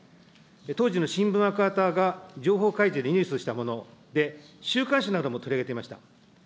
当時のしんぶん赤旗が情報開示にリリースしたもので、週刊誌なども取り上げていました。